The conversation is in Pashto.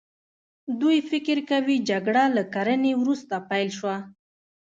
دوی فکر کوي جګړه له کرنې وروسته پیل شوه.